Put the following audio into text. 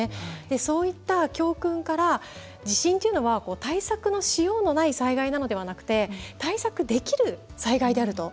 そういった教訓から地震っていうのは対策のしようもない災害なのではなくて対策できる災害であると。